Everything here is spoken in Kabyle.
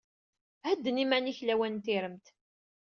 Hedden iman-ik lawan n tiremt.